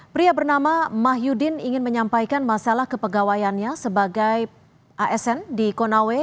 pria bernama mahyudin ingin menyampaikan masalah kepegawaiannya sebagai asn di konawe